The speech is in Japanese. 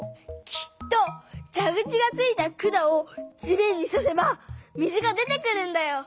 きっとじゃぐちがついた管を地面にさせば水が出てくるんだよ。